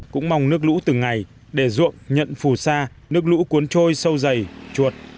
cũng mong nước lũ từng ngày để ruộng nhận phù sa nước lũ cuốn trôi sâu dày chuột